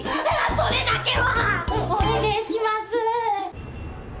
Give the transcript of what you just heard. それだけはおねげえします！